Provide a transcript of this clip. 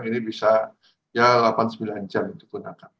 ini bisa ya delapan sembilan jam digunakan